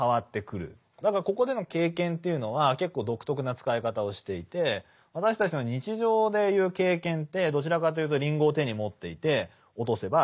だからここでの経験というのは結構独特な使い方をしていて私たちの日常でいう経験ってどちらかというとりんごを手に持っていて落とせばりんごが落ちる。